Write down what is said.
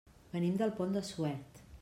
Venim del Pont de Suert.